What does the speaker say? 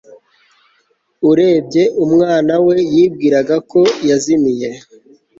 urebye umwana we yibwiraga ko yazimiye